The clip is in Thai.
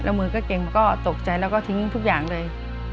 แล้วมือก็เก่งมันก็ตกใจแล้วก็ทิ้งทุกอย่างเลย